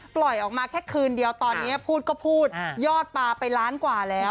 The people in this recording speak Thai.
ปล่อยออกมาแค่คืนเดียวตอนนี้พูดก็พูดยอดปลาไปล้านกว่าแล้ว